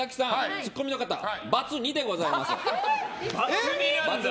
ツッコミの方バツ２でございます。